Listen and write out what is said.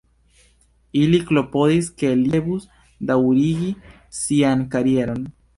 Ili klopodis ke li devus daŭrigi sian karieron.